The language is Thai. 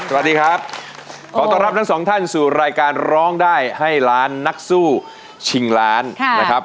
สวัสดีครับขอต้อนรับทั้งสองท่านสู่รายการร้องได้ให้ล้านนักสู้ชิงล้านนะครับ